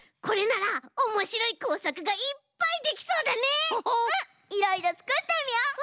いろいろつくってみよう！